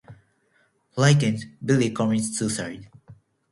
Frightened, Billy commits suicide.